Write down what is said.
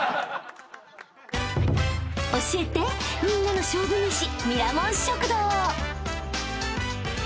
［教えてみんなの勝負めし］